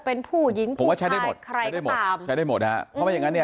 ผู้หญิงผู้จ่ายตายใครก็ตามใช้ได้หมดฮะเพราะงั้น